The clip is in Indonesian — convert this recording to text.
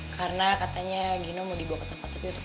karena katanya gino mau dibawa ke tempat sepi untuk dihubungin